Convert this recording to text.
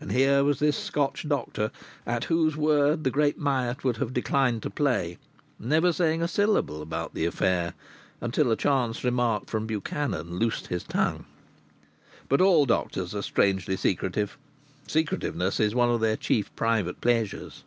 And here was this Scotch doctor, at whose word the great Myatt would have declined to play, never saying a syllable about the affair, until a chance remark from Buchanan loosened his tongue. But all doctors are strangely secretive. Secretiveness is one of their chief private pleasures.